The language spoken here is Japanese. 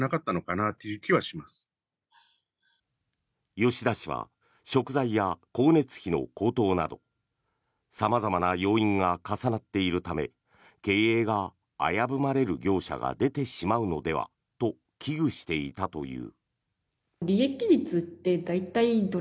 吉田氏は食材や光熱費の高騰など様々な要因が重なっているため経営が危ぶまれる業者が出てしまうのではと危惧していたという。